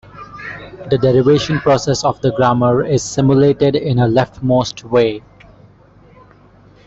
The derivation process of the grammar is simulated in a leftmost way.